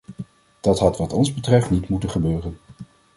Dat had wat ons betreft niet moeten gebeuren.